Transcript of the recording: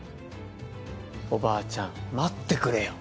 おばあちゃん待ってくれよ。